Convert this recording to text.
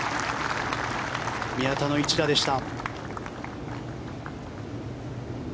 宮田の１打でした。